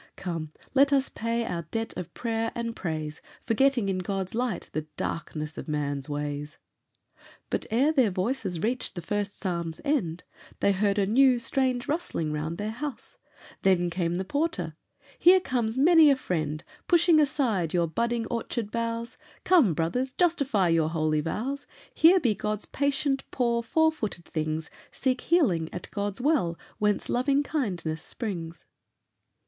Come, let us pay our debt of prayer and praise, Forgetting in God's light the darkness of man's ways!" But, ere their voices reached the first psalm's end, They heard a new, strange rustling round their house; Then came the porter: "Here comes many a friend, Pushing aside your budding orchard boughs; Come, brothers, justify your holy vows. Here be God's patient, poor, four footed things Seek healing at God's well, whence loving kindness springs."